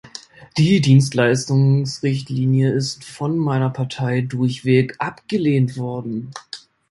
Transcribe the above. Die Dienstleistungsrichtlinie ist von meiner Partei durchweg abgelehnt worden.